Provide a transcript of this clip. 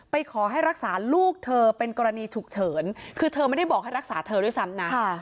ขอให้รักษาลูกเธอเป็นกรณีฉุกเฉินคือเธอไม่ได้บอกให้รักษาเธอด้วยซ้ำนะ